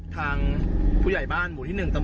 ทางผู้ใหญ่บ้านหมู่ที่๑